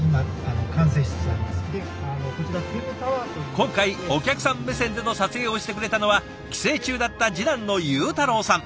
今回お客さん目線での撮影をしてくれたのは帰省中だった次男の裕太郎さん。